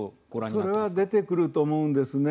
それは出てくると思うんですね